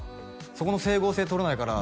「そこの整合性とれないから」